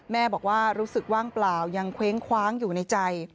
แม่บอกว่ารู้สึกว่างเปล่ายังเคว้งคว้างอยู่ในใจ